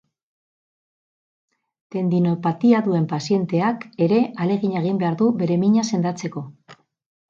Tendinopatia duen pazienteak ere ahalegina egin behar du bere mina sendatzeko.